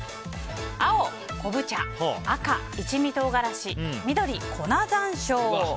青、昆布茶赤、一味唐辛子緑、粉山椒。